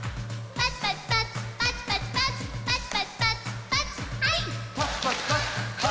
パチパチパチパチパチパチパチパチパチパチ！